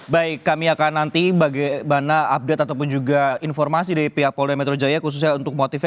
baik kami akan nanti bagaimana update ataupun juga informasi dari pihak polda metro jaya khususnya untuk motifnya